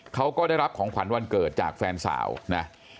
เขาก็ได้รับของขวัญวันเกิดจากแฟนสาวนะ